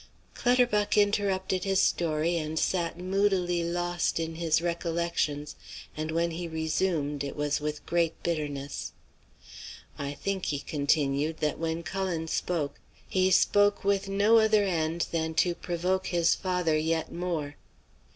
Clutterbuck interrupted his story and sat moodily lost in his recollections, and when he resumed it was with great bitterness. "I think," he continued, "that when Cullen spoke, he spoke with no other end than to provoke his father yet more.